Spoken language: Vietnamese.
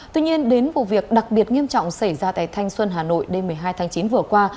tuy nhiên đến vụ việc đặc biệt nghiêm trọng xảy ra tại thanh xuân hà nội đêm một mươi hai tháng chín vừa qua